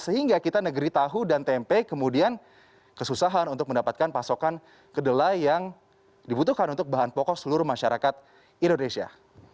sehingga kita negeri tahu dan tempe kemudian kesusahan untuk mendapatkan pasokan kedelai yang dibutuhkan untuk bahan pokok seluruh masyarakat indonesia